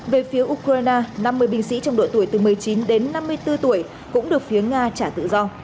về phía ukraine năm mươi binh sĩ trong độ tuổi từ một mươi chín đến năm mươi bốn tuổi cũng được phía nga trả tự do